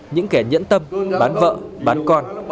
những kẻ nhẫn tâm bán vợ bán con